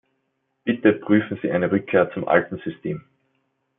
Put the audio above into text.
Bitte prüfen Sie eine Rückkehr zum alten System.